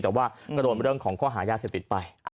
แต่ว่าก็โดนเรื่องของข้อหายาเสพติดไป